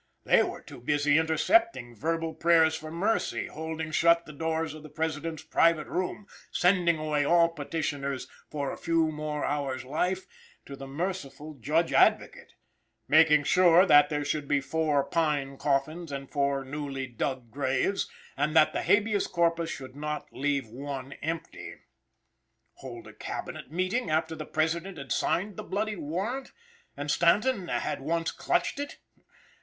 They were too busy intercepting verbal prayers for mercy, holding shut the doors of the President's private room, sending away all petitioners, for a few more hours' life, to the merciful Judge Advocate, making sure that there should be four pine coffins and four newly dug graves, and that the Habeas Corpus should not leave one empty. Hold a Cabinet meeting after the President had signed the bloody warrant, and Stanton had once clutched it!